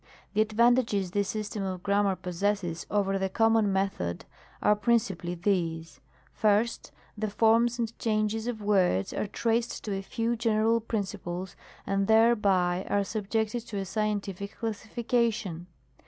The advantages this system of grammar possesses over the com mon method are principally these : 1st. The forms and changes (of words) are traced to a few general principles and thereby are subjected to a scientific classification.